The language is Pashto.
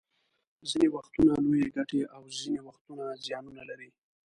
ځینې وختونه لویې ګټې او ځینې وخت زیانونه لري